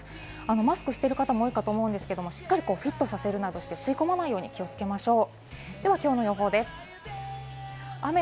マスクしている方も多いかと思うんですけれども、しっかりとフィットさせるなどして吸い込まないように気をつけましょう。